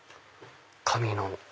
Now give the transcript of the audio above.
紙の。